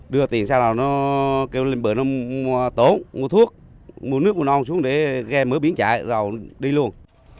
đưa tiền sang nào nó kêu lên bờ nó mua tố mua thuốc mua nước mua non xuống để ghe mớ biển chạy rồi đi luôn